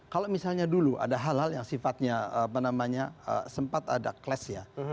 kalau misalnya dulu ada hal hal yang sifatnya apa namanya sempat ada clash ya